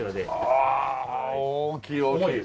ああ大きい大きい。